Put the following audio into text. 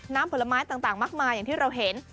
ผลไม้ต่างมากมายอย่างที่เราเห็น